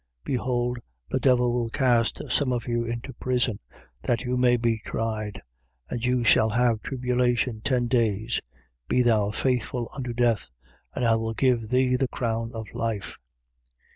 Behold, the devil will cast some of you into prison, that you may be tried: and you shall have tribulation ten days. Be thou faithful unto death: and I will give thee the crown of life.